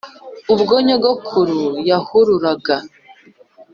ubwo nyogokuru yahururaga